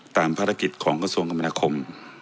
ตามภารกิจของกระทรวงกรรมนาคม